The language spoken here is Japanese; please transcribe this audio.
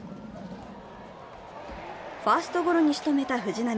ファーストゴロにしとめた藤浪。